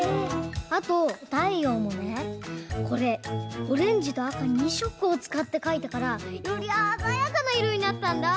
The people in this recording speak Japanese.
あとたいようもねこれオレンジとあか２しょくをつかってかいたからよりあざやかないろになったんだ！